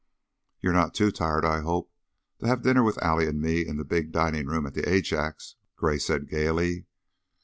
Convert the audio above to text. "You're not too tired, I hope, to have dinner with Allie and me in the big dining room at the Ajax?" Gray said, gayly.